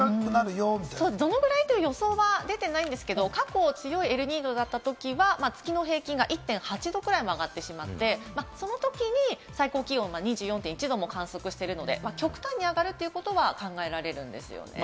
どのぐらいという予想は出てないんですけれども、過去、強いエルニーニョだったときは、月の平均が１．８度ぐらい上がってしまって、そのときに最高気温が２４．１度も観測しているので、極端に上がるということが考えられるんですね。